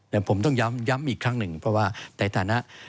แต่ผมต้องย้ำอีกครั้งหนึ่งเพราะว่าในฐานะ